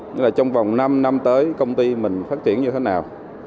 nghĩa là trong vòng năm năm tới công ty mình phát triển như thế nào